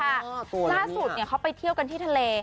ล่าสุดเขาไปเที่ยวกันที่ทะเล